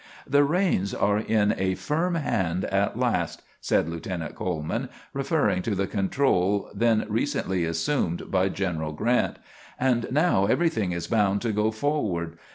"The reins are in a firm hand at last," said Lieutenant Coleman, referring to the control then recently assumed by General Grant, "and now everything is bound to go forward.